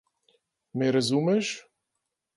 Me razumeš?